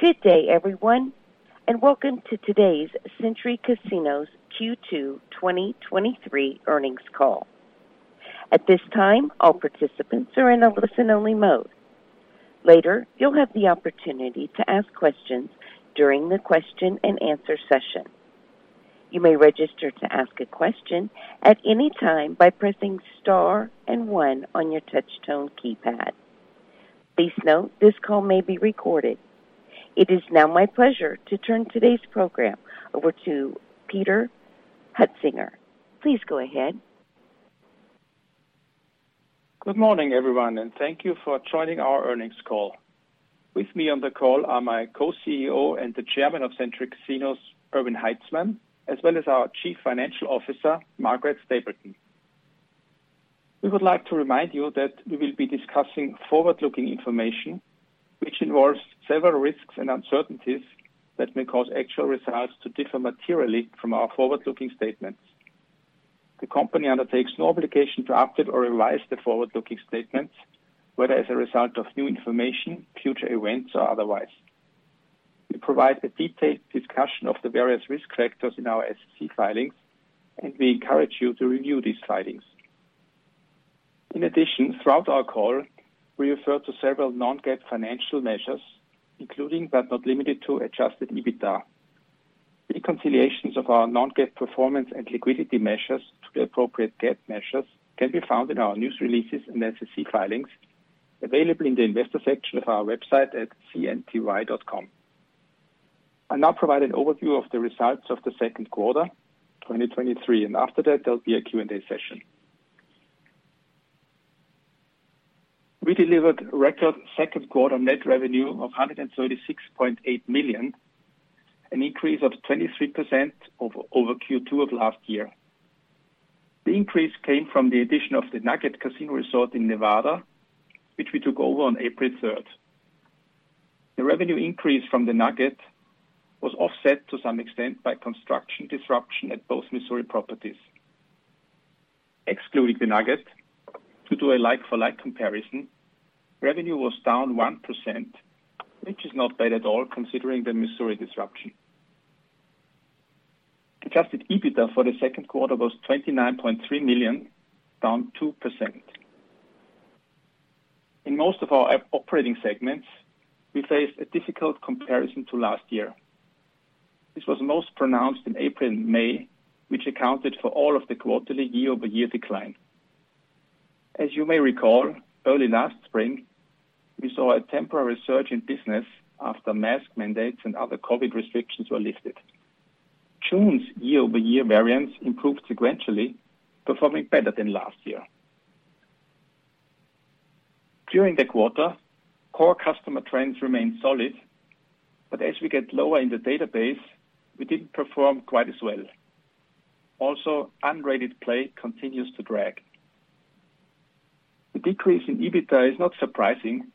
Good day, everyone, and welcome to today's Century Casinos Q2 2023 earnings call. At this time, all participants are in a listen-only mode. Later, you'll have the opportunity to ask questions during the question and answer session. You may register to ask a question at any time by pressing star one on your touchtone keypad. Please note, this call may be recorded. It is now my pleasure to turn today's program over to Peter Hoetzinger. Please go ahead. Good morning, everyone. Thank you for joining our earnings call. With me on the call are my Co-CEO and the Chairman of Century Casinos, Erwin Haitzmann, as well as our Chief Financial Officer, Margaret Stapleton. We would like to remind you that we will be discussing forward-looking information, which involves several risks and uncertainties that may cause actual results to differ materially from our forward-looking statements. The company undertakes no obligation to update or revise the forward-looking statements, whether as a result of new information, future events, or otherwise. We provide a detailed discussion of the various risk factors in our SEC filings. We encourage you to review these filings. In addition, throughout our call, we refer to several non-GAAP financial measures, including, but not limited to, adjusted EBITDA. Reconciliations of our non-GAAP performance and liquidity measures to the appropriate GAAP measures can be found in our news releases and SEC filings, available in the investor section of our website at cnty.com. I'll now provide an overview of the results of the second quarter 2023. After that, there'll be a Q&A session. We delivered record second quarter net revenue of $136.8 million, an increase of 23% over Q2 of last year. The increase came from the addition of the Nugget Casino Resort in Nevada, which we took over on April third. The revenue increase from the Nugget was offset to some extent by construction disruption at both Missouri properties. Excluding the Nugget, to do a like-for-like comparison, revenue was down 1%, which is not bad at all considering the Missouri disruption. Adjusted EBITDA for the second quarter was $29.3 million, down 2%. In most of our operating segments, we faced a difficult comparison to last year. This was most pronounced in April and May, which accounted for all of the quarterly year-over-year decline. As you may recall, early last spring, we saw a temporary surge in business after mask mandates and other COVID restrictions were lifted. June's year-over-year variance improved sequentially, performing better than last year. During the quarter, core customer trends remained solid, but as we get lower in the database, we didn't perform quite as well. Unrated play continues to drag. The decrease in EBITDA is not surprising,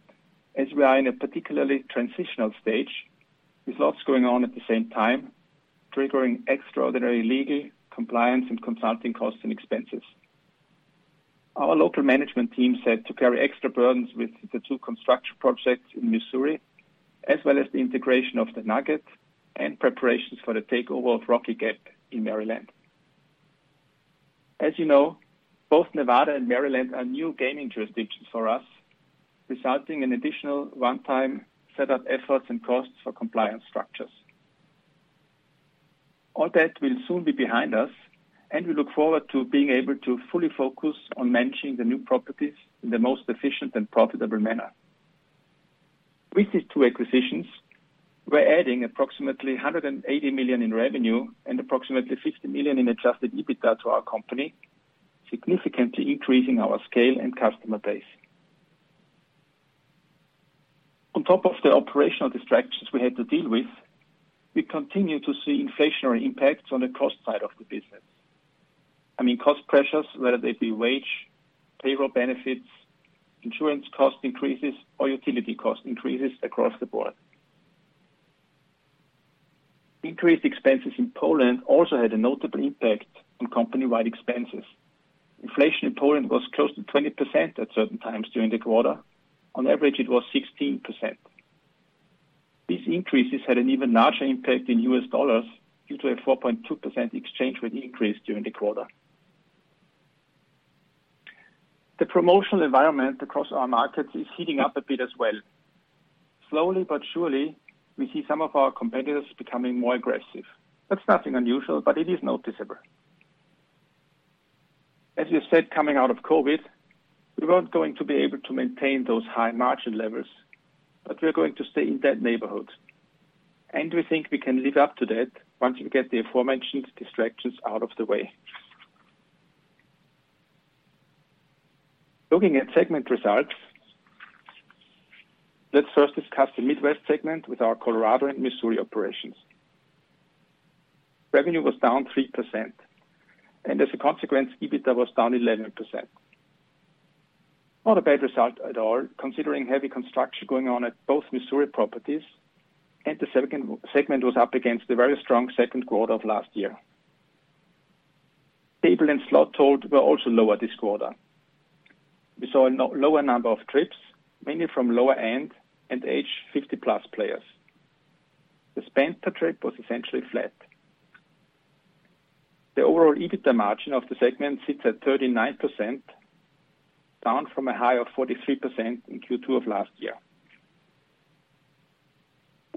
as we are in a particularly transitional stage with lots going on at the same time, triggering extraordinary legal, compliance, and consulting costs and expenses. Our local management team said to carry extra burdens with the two construction projects in Missouri, as well as the integration of the Nugget and preparations for the takeover of Rocky Gap in Maryland. As you know, both Nevada and Maryland are new gaming jurisdictions for us, resulting in additional one-time set up efforts and costs for compliance structures. All that will soon be behind us, and we look forward to being able to fully focus on managing the new properties in the most efficient and profitable manner. With these two acquisitions, we're adding approximately $180 million in revenue and approximately $50 million in adjusted EBITDA to our company, significantly increasing our scale and customer base. On top of the operational distractions we had to deal with, we continue to see inflationary impacts on the cost side of the business. I mean, cost pressures, whether they be wage, payroll benefits, insurance cost increases, or utility cost increases across the board. Increased expenses in Poland also had a notable impact on company-wide expenses. Inflation in Poland was close to 20% at certain times during the quarter. On average, it was 16%. These increases had an even larger impact in U.S. dollars due to a 4.2% exchange rate increase during the quarter. The promotional environment across our markets is heating up a bit as well. Slowly but surely, we see some of our competitors becoming more aggressive. That's nothing unusual, but it is noticeable. As you said, coming out of COVID, we weren't going to be able to maintain those high margin levels, but we are going to stay in that neighborhood, and we think we can live up to that once we get the aforementioned distractions out of the way. Looking at segment results, let's first discuss the Midwest segment with our Colorado and Missouri operations. Revenue was down 3%. As a consequence, EBITDA was down 11%. Not a bad result at all, considering heavy construction going on at both Missouri properties, the segment was up against the very strong second quarter of last year. Table and slot told were also lower this quarter. We saw a lower number of trips, mainly from lower-end and age 50-plus players. The spend per trip was essentially flat. The overall EBITDA margin of the segment sits at 39%, down from a high of 43% in Q2 of last year.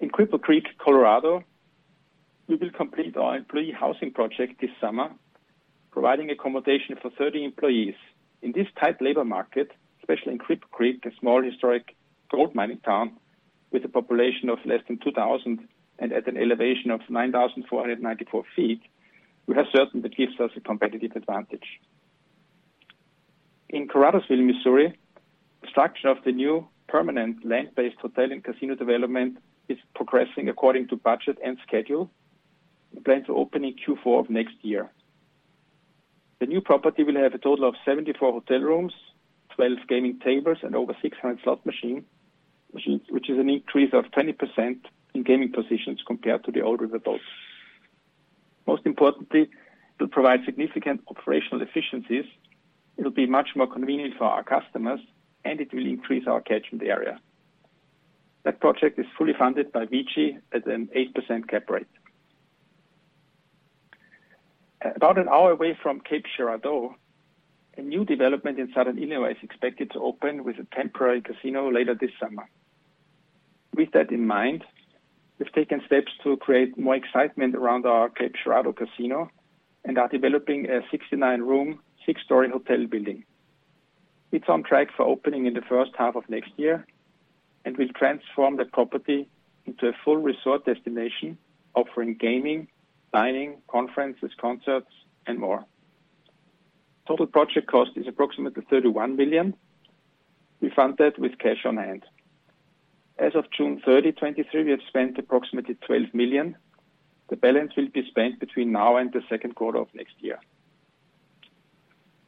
In Cripple Creek, Colorado, we will complete our employee housing project this summer, providing accommodation for 30 employees. In this tight labor market, especially in Cripple Creek, a small historic gold mining town with a population of less than 2,000 and at an elevation of 9,494 feet, we are certain that gives us a competitive advantage. In Caruthersville, Missouri, the structure of the new permanent land-based hotel and casino development is progressing according to budget and schedule. We plan to open in Q4 of next year. The new property will have a total of 74 hotel rooms, 12 gaming tables, and over 600 slot machine, which is an increase of 20% in gaming positions compared to the old riverboat. Most importantly, it will provide significant operational efficiencies, it'll be much more convenient for our customers, and it will increase our catch in the area. That project is fully funded by VICI at an 8% cap rate. About an hour away from Cape Girardeau, a new development in Southern Illinois is expected to open with a temporary casino later this summer. With that in mind, we've taken steps to create more excitement around our Cape Girardeau Casino and are developing a 69-room, 6-story hotel building. It's on track for opening in the first half of next year, and we'll transform the property into a full resort destination, offering gaming, dining, conferences, concerts, and more. Total project cost is approximately $31 million. We fund that with cash on hand. As of June 30, 2023, we have spent approximately $12 million. The balance will be spent between now and the 2Q of next year.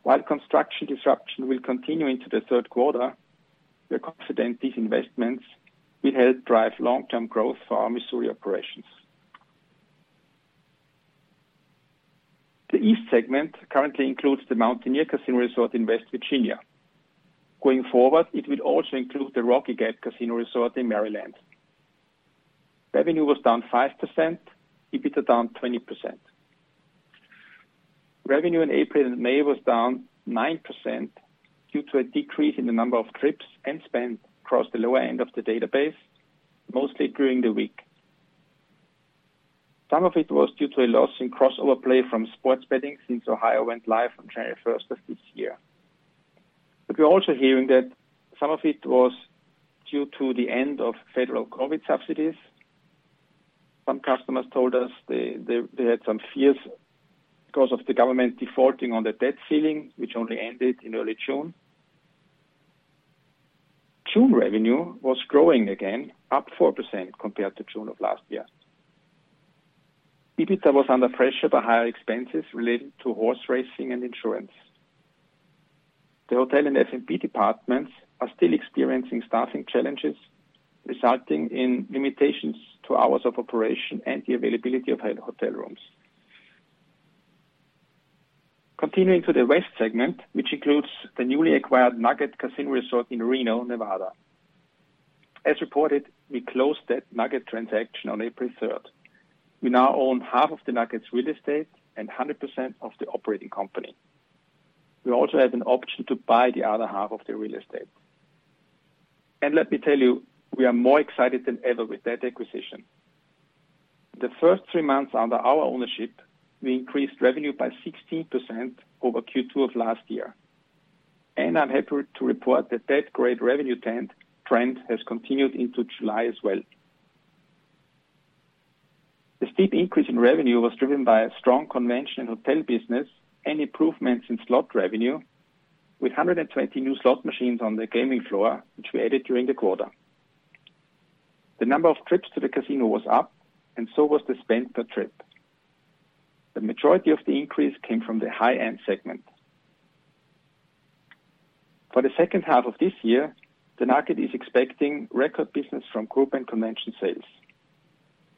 While construction disruption will continue into the 3Q, we are confident these investments will help drive long-term growth for our Missouri operations. The East segment currently includes the Mountaineer Casino Resort in West Virginia. Going forward, it will also include the Rocky Gap Casino Resort in Maryland. Revenue was down 5%, EBITDA down 20%. Revenue in April and May was down 9% due to a decrease in the number of trips and spend across the lower end of the database, mostly during the week. Some of it was due to a loss in crossover play from sports betting since Ohio went live on January 1 of this year. We're also hearing that some of it was due to the end of federal COVID subsidies. Some customers told us they had some fears because of the government defaulting on the debt ceiling, which only ended in early June. June revenue was growing again, up 4% compared to June of last year. EBITDA was under pressure by higher expenses related to horse racing and insurance. The hotel and F&B departments are still experiencing staffing challenges, resulting in limitations to hours of operation and the availability of hotel rooms. Continuing to the West segment, which includes the newly acquired Nugget Casino Resort in Reno, Nevada. As reported, we closed that Nugget transaction on April 3rd. We now own half of the Nugget's real estate and 100% of the operating company. We also have an option to buy the other half of the real estate. Let me tell you, we are more excited than ever with that acquisition. The first 3 months under our ownership, we increased revenue by 16% over Q2 of last year, and I'm happy to report that that great revenue trend has continued into July as well. The steep increase in revenue was driven by a strong convention and hotel business and improvements in slot revenue, with 120 new slot machines on the gaming floor, which we added during the quarter. The number of trips to the casino was up, and so was the spend per trip. The majority of the increase came from the high-end segment. For the second half of this year, the Nugget is expecting record business from group and convention sales.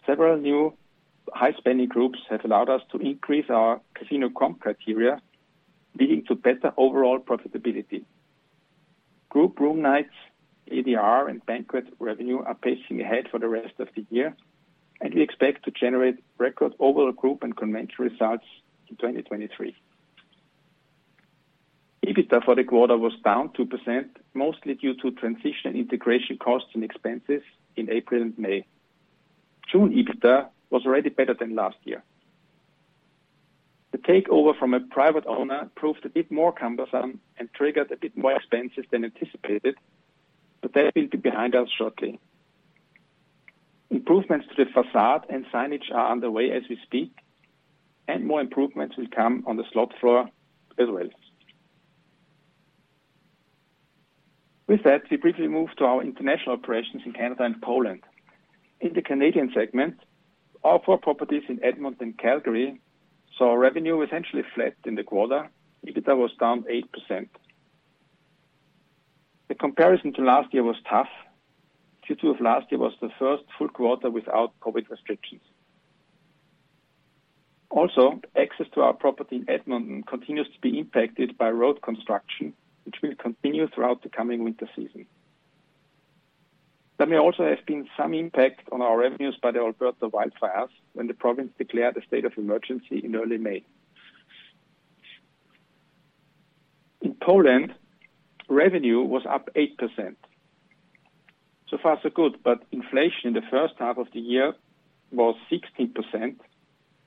Several new high-spending groups have allowed us to increase our casino comp criteria, leading to better overall profitability. Group room nights, ADR, and banquet revenue are pacing ahead for the rest of the year, and we expect to generate record overall group and convention results in 2023. EBITDA for the quarter was down 2%, mostly due to transition integration costs and expenses in April and May. June EBITDA was already better than last year. The takeover from a private owner proved a bit more cumbersome and triggered a bit more expenses than anticipated, but that will be behind us shortly. Improvements to the facade and signage are underway as we speak, and more improvements will come on the slot floor as well. With that, we briefly move to our international operations in Canada and Poland. In the Canadian segment, our four properties in Edmonton and Calgary, saw revenue essentially flat in the quarter. EBITDA was down 8%. The comparison to last year was tough, due to of last year was the first full quarter without COVID restrictions. Also, access to our property in Edmonton continues to be impacted by road construction, which will continue throughout the coming winter season. There may also have been some impact on our revenues by the Alberta wildfires, when the province declared a state of emergency in early May. In Poland, revenue was up 8%. So far, so good. Inflation in the first half of the year was 16%,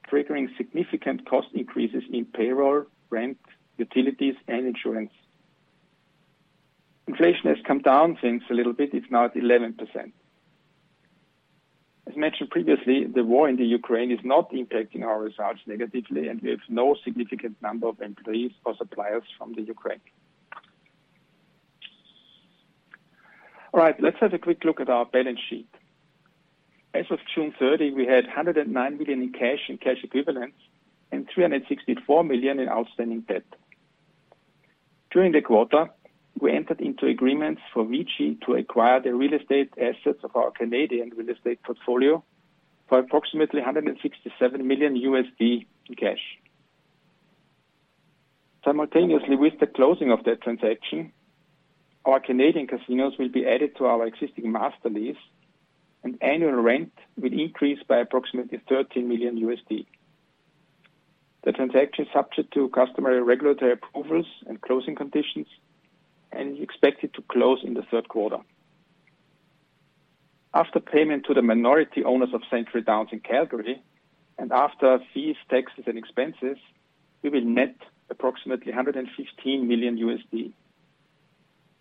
triggering significant cost increases in payroll, rent, utilities, and insurance. Inflation has come down since a little bit, it's now at 11%. As mentioned previously, the war in the Ukraine is not impacting our results negatively, and we have no significant number of employees or suppliers from the Ukraine. All right, let's have a quick look at our balance sheet. As of June 30, we had $109 million in cash and cash equivalents, and $364 million in outstanding debt. During the quarter, we entered into agreements for VICI to acquire the real estate assets of our Canadian real estate portfolio for approximately $167 million USD in cash. Simultaneously, with the closing of that transaction, our Canadian casinos will be added to our existing Master Lease, and annual rent will increase by approximately $13 million. The transaction is subject to customary regulatory approvals and closing conditions, and is expected to close in the third quarter. After payment to the minority owners of Century Downs in Calgary, and after fees, taxes, and expenses, we will net approximately $115 million.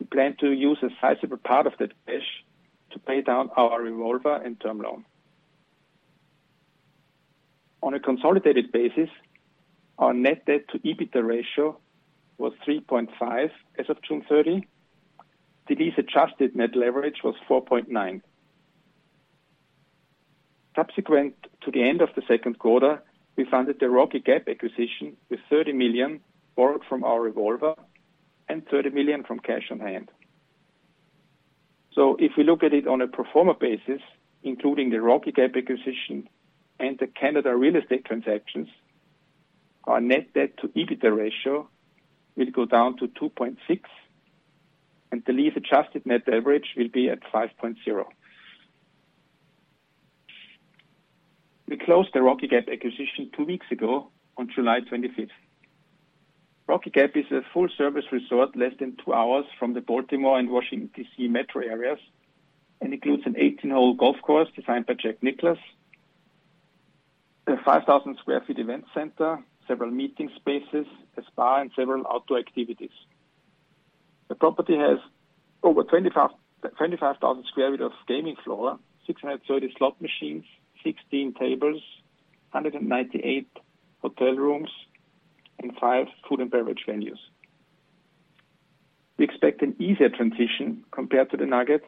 We plan to use a sizable part of that cash to pay down our revolver and term loan. On a consolidated basis, our net debt to EBITDA ratio was 3.5 as of June 30. The lease-adjusted net leverage was 4.9. Subsequent to the end of the second quarter, we funded the Rocky Gap acquisition with $30 million borrowed from our revolver and $30 million from cash on hand. If we look at it on a pro forma basis, including the Rocky Gap acquisition and the Canada real estate transactions, our net debt to EBITDA ratio will go down to 2.6, and the lease-adjusted net leverage will be at 5.0. We closed the Rocky Gap acquisition 2 weeks ago on July 25th. Rocky Gap is a full-service resort, less than 2 hours from the Baltimore and Washington, D.C. metro areas, and includes an 18-hole golf course designed by Jack Nicklaus, a 5,000 sq ft event center, several meeting spaces, a spa, and several outdoor activities. The property has over 25,000 sq ft of gaming floor, 630 slot machines, 16 tables, 198 hotel rooms, and 5 food and beverage venues. We expect an easier transition compared to the Nugget.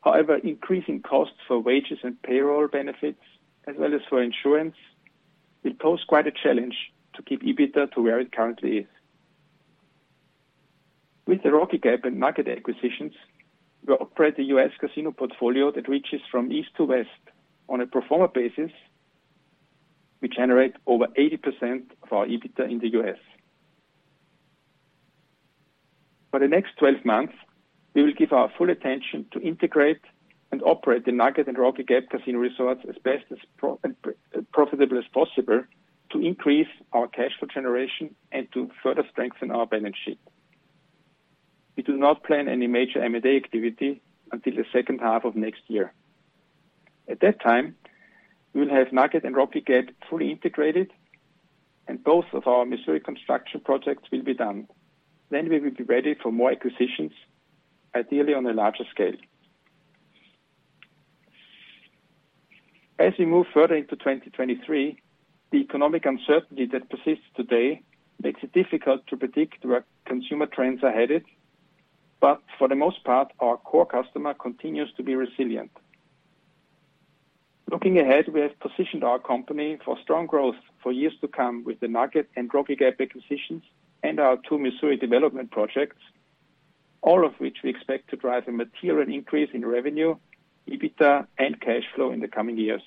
However, increasing costs for wages and payroll benefits, as well as for insurance, will pose quite a challenge to keep EBITDA to where it currently is. With the Rocky Gap and Nugget acquisitions, we operate the U.S. casino portfolio that reaches from east to west. On a pro forma basis, we generate over 80% of our EBITDA in the U.S. For the next 12 months, we will give our full attention to integrate and operate the Nugget and Rocky Gap casino resorts as best as profitable as possible, to increase our cash flow generation and to further strengthen our balance sheet. We do not plan any major M&A activity until the second half of next year. At that time, we will have Nugget and Rocky Gap fully integrated, and both of our Missouri construction projects will be done. We will be ready for more acquisitions, ideally on a larger scale. As we move further into 2023, the economic uncertainty that persists today makes it difficult to predict where consumer trends are headed, but for the most part, our core customer continues to be resilient. Looking ahead, we have positioned our company for strong growth for years to come with the Nugget and Rocky Gap acquisitions and our two Missouri development projects, all of which we expect to drive a material increase in revenue, EBITDA, and cash flow in the coming years.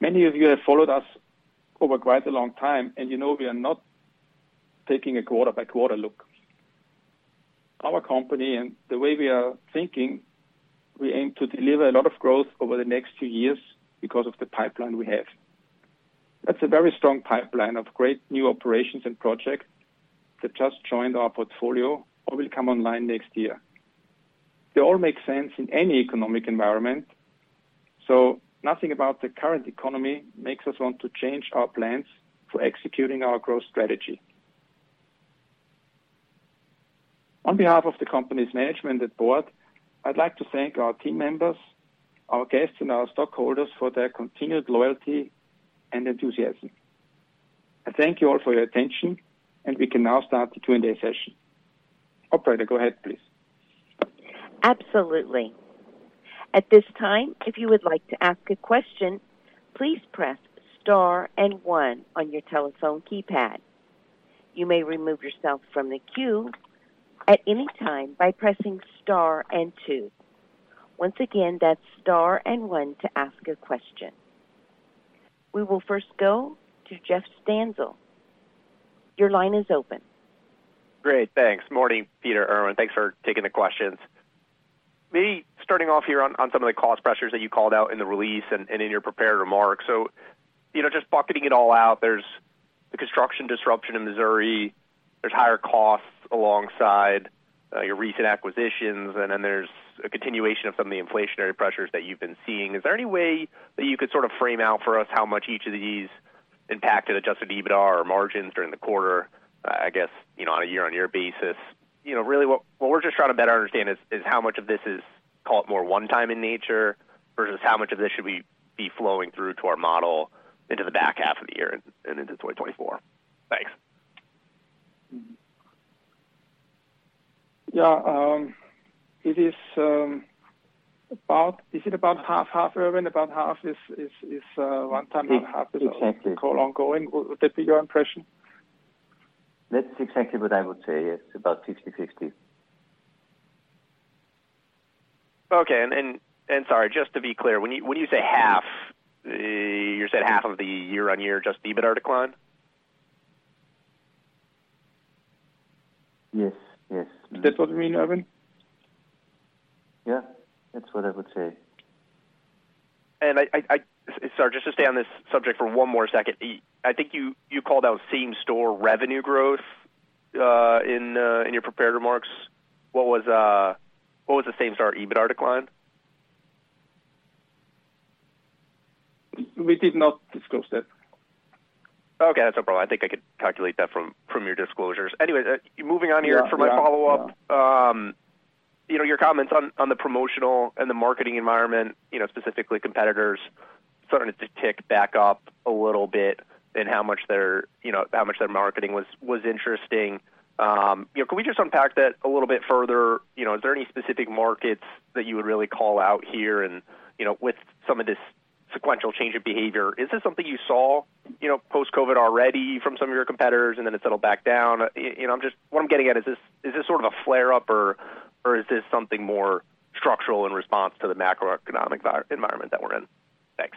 Many of you have followed us over quite a long time, and you know we are not taking a quarter-by-quarter look. Our company and the way we are thinking, we aim to deliver a lot of growth over the next two years because of the pipeline we have. That's a very strong pipeline of great new operations and projects that just joined our portfolio or will come online next year. They all make sense in any economic environment. Nothing about the current economy makes us want to change our plans for executing our growth strategy. On behalf of the company's management and board, I'd like to thank our team members, our guests, and our stockholders for their continued loyalty and enthusiasm. I thank you all for your attention. We can now start the Q&A session. Operator, go ahead, please. Absolutely. At this time, if you would like to ask a question, please press star and one on your telephone keypad. You may remove yourself from the queue at any time by pressing star and two. Once again, that's star and one to ask a question. We will first go to Jeff Stantial. Your line is open. Great, thanks. Morning, Peter, Erwin, thanks for taking the questions. Maybe starting off here on some of the cost pressures that you called out in the release and in your prepared remarks. You know, just bucketing it all out, there's the construction disruption in Missouri. There's higher costs alongside your recent acquisitions, and then there's a continuation of some of the inflationary pressures that you've been seeing. Is there any way that you could sort of frame out for us how much each of these impacted adjusted EBITDAR or margins during the quarter? I guess, you know, on a year-on-year basis. You know, really, what we're just trying to better understand is how much of this is, call it, more one-time in nature, versus how much of this should we be flowing through to our model into the back half of the year and into 2024? Thanks. Yeah, it is, is it about half, half, Erwin? About half is, is, is, one time, and half is- Exactly. call ongoing. Would that be your impression? That's exactly what I would say. Yes, it's about 60/60. Okay. Then, and sorry, just to be clear, when you, when you say half, you're saying half of the year-on-year adjusted EBITDAR decline? Yes. Yes. Is that what you mean, Erwin? Yeah, that's what I would say. Sorry, just to stay on this subject for one more second. I think you called out same-store revenue growth in your prepared remarks. What was the same-store EBITDAR decline? We did not disclose that. Okay, that's no problem. I think I could calculate that from, from your disclosures. Anyway, moving on here. Yeah, yeah. for my follow-up, you know, your comments on, on the promotional and the marketing environment, you know, specifically competitors starting to tick back up a little bit, and how much their, you know, how much their marketing was, was interesting. You know, can we just unpack that a little bit further? You know, is there any specific markets that you would really call out here? You know, with some of this sequential change of behavior, is this something you saw, you know, post-COVID already from some of your competitors, and then it settled back down? You know, what I'm getting at, is this, is this sort of a flare-up, or, or is this something more structural in response to the macroeconomic environment that we're in? Thanks.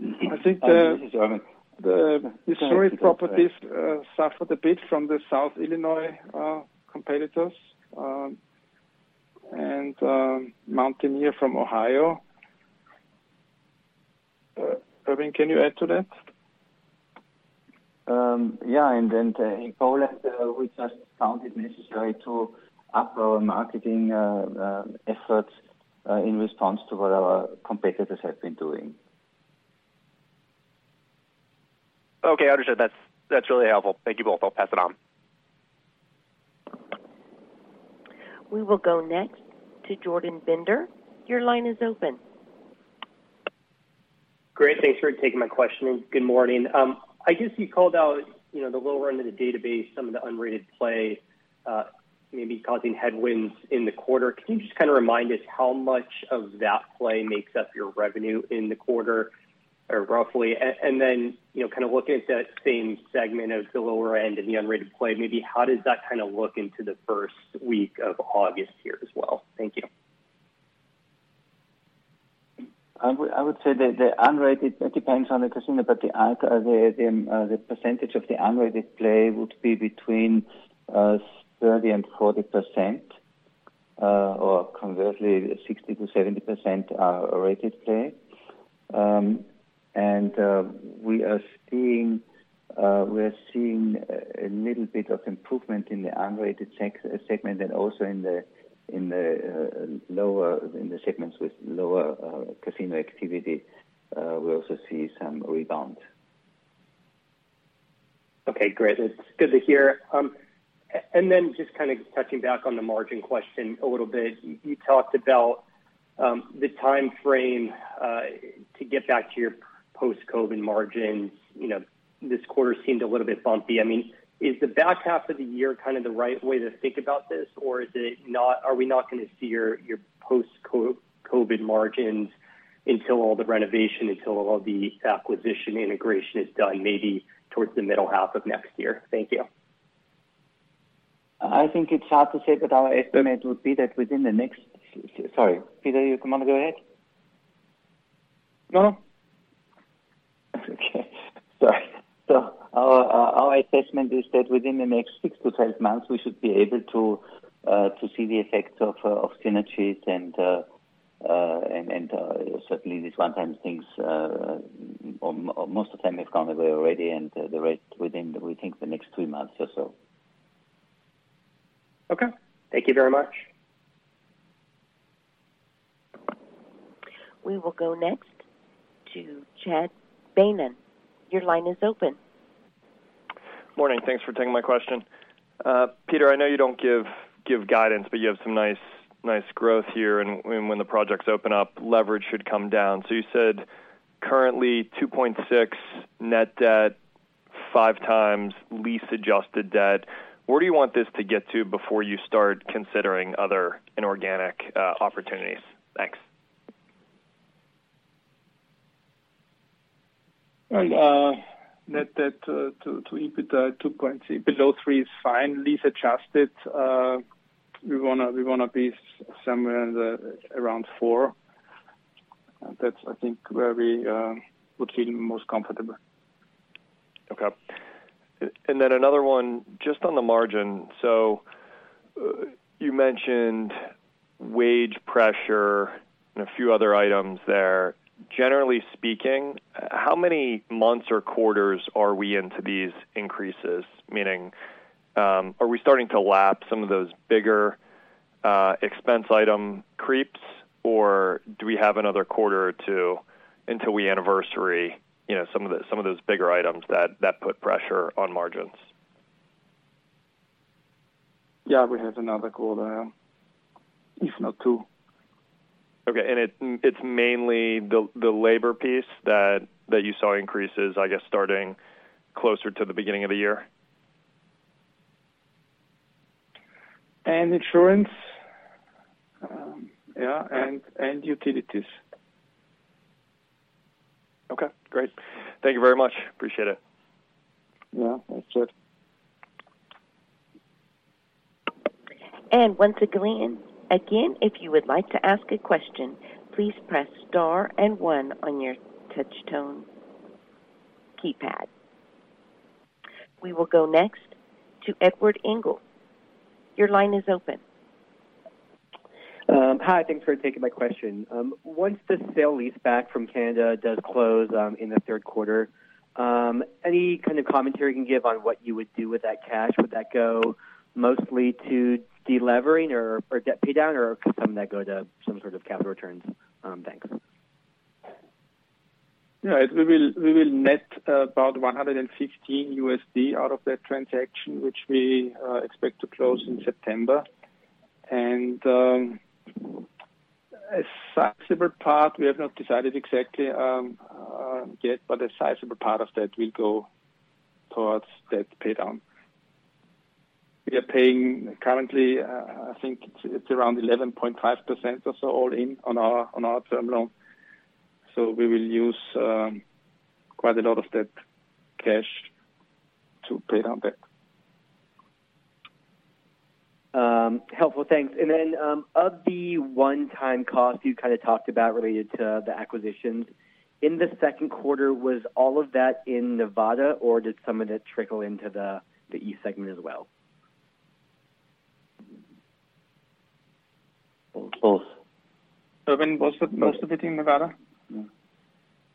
I think This is Erwin. The Missouri properties suffered a bit from the South Illinois competitors, and Mountaineer from Ohio. Erwin, can you add to that? Yeah, in Poland, we just found it necessary to up our marketing efforts in response to what our competitors have been doing. Okay, understood. That's, that's really helpful. Thank you both. I'll pass it on. We will go next to Jordan Bender. Your line is open. Great. Thanks for taking my question, and good morning. I guess you called out, you know, the lower end of the database, some of the unrated play, maybe causing headwinds in the quarter. Can you just kind of remind us how much of that play makes up your revenue in the quarter, or roughly? And then, you know, kind of looking at that same segment of the lower end and the unrated play, maybe how does that kind of look into the first week of August here as well? Thank you. I would, I would say that the unrated, it depends on the casino, but the, the, the percentage of the unrated play would be between 30%-40%, or conversely, 60%-70% rated play. We are seeing, we are seeing a little bit of improvement in the unrated segment and also in the, in the lower in the segments with lower casino activity, we also see some rebound. Okay, great. It's good to hear. Then just kind of touching back on the margin question a little bit. You talked about the time frame to get back to your post-COVID margins. You know, this quarter seemed a little bit bumpy. I mean, is the back half of the year kind of the right way to think about this, or are we not going to see your post-COVID margins until all the renovation, until all the acquisition integration is done, maybe towards the middle half of next year? Thank you. I think it's hard to say. Our estimate would be that within the next... Sorry, Peter, you want to go ahead? No. Okay. Sorry. Our, our assessment is that within the next 6-12 months, we should be able to to see the effect of of synergies and and certainly these one-time things most of them have gone away already and the rest within, we think, the next 2 months or so. Okay. Thank you very much. We will go next to Chad Beynon. Your line is open. Morning. Thanks for taking my question. Peter, I know you don't give, give guidance, but you have some nice, nice growth here, and when, when the projects open up, leverage should come down. You said currently 2.6 net debt, 5x lease-adjusted debt. Where do you want this to get to before you start considering other inorganic opportunities? Thanks. Net debt to, to EBIT below three is fine. Lease-adjusted, we want to, we want to be somewhere in the around four. That's, I think, where we would feel most comfortable. Okay. Then another one, just on the margin. You mentioned wage pressure and a few other items there. Generally speaking, how many months or quarters are we into these increases? Meaning, are we starting to lap some of those bigger expense item creeps, or do we have another quarter or two until we anniversary, you know, some of the, some of those bigger items that, that put pressure on margins? Yeah, we have another quarter, if not 2. Okay. It, it's mainly the, the labor piece that, that you saw increases, I guess, starting closer to the beginning of the year? Insurance, yeah, and, and utilities. Okay, great. Thank you very much. Appreciate it. Yeah, that's it. Once again, again, if you would like to ask a question, please press star and one on your touch tone keypad. We will go next to Edward Engel. Your line is open. Hi, thanks for taking my question. Once the sale lease back from Canada does close, in the third quarter, any kind of commentary you can give on what you would do with that cash? Would that go mostly to delevering or, or debt paydown, or could some of that go to some sort of capital returns? Thanks. Yeah, we will, we will net about $115 out of that transaction, which we expect to close in September. A sizable part, we have not decided exactly yet, but a sizable part of that will go towards debt paydown. We are paying currently, I think it's, it's around 11.5% or so, all in on our, on our term loan. We will use quite a lot of that cash to pay down debt. Helpful. Thanks. Then, of the one-time cost you kind of talked about related to the acquisitions. In the second quarter, was all of that in Nevada, or did some of that trickle into the East segment as well? Both. Most of it in Nevada?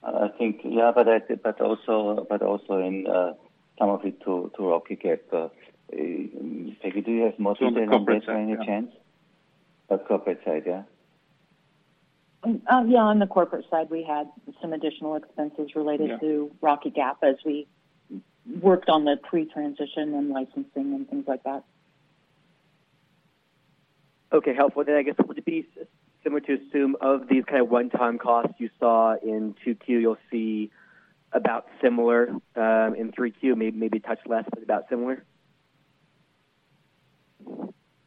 I think, yeah, but also, but also in some of it to Rocky Gap. Peggy, do you have mostly any chance? Of corporate side, yeah. Yeah, on the corporate side, we had some additional expenses related. Yeah to Rocky Gap as we worked on the pre-transition and licensing and things like that. Okay, helpful. I guess, would it be similar to assume of these kind of one-time costs you saw in 2Q, you'll see about similar in 3Q, maybe, maybe a touch less, but about similar?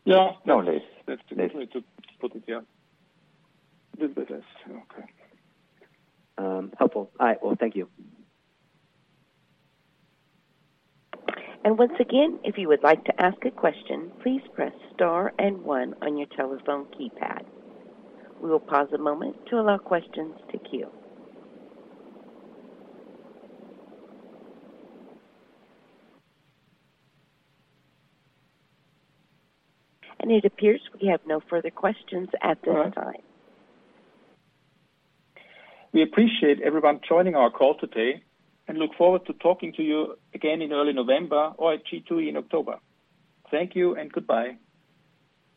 Yeah. No, less. That's the way to put it, yeah. A little bit less. Okay. Helpful. All right, well, thank you. Once again, if you would like to ask a question, please press star and one on your telephone keypad. We will pause a moment to allow questions to queue. It appears we have no further questions at this time. We appreciate everyone joining our call today, and look forward to talking to you again in early November or at G2E in October. Thank you and goodbye.